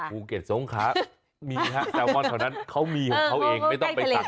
ภูเกตทรงค้ามีแซลมอนเท่านั้นเค้ามีของเค้าเองไม่ต้องไปสั่ง